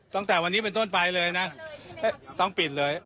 ตั้งแต่วันนี้เป็นต้นไปเลยนะต้องปิดเลย